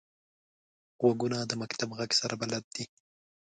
غوږونه د مکتب غږ سره بلد دي